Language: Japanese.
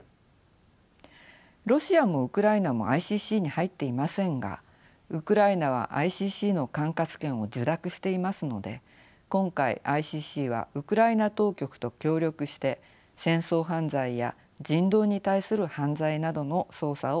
ロシアもウクライナもＩＣＣに入っていませんがウクライナはＩＣＣの管轄権を受諾していますので今回ＩＣＣはウクライナ当局と協力して戦争犯罪や人道に対する犯罪などの捜査を行っています。